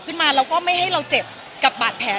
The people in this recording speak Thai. ขึ้นมาแล้วก็ไม่ให้เราเจ็บกับบาดแผล